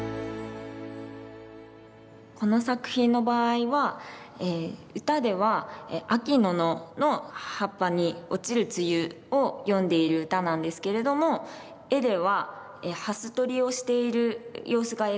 この作品の場合は歌では秋の野の葉っぱに落ちる露を詠んでいる歌なんですけれども絵では蓮取りをしている様子が描かれています。